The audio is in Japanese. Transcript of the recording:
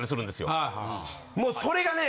もうそれがね。